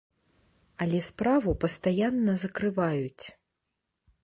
Але справу пастаянна закрываюць.